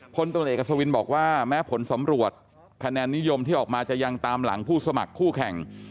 พลตำรวจเอกอัศวินบอกว่าแม้ผลสำรวจคะแนนนิยมที่ออกมาจะยังตามหลังผู้สมัครคู่แข่ง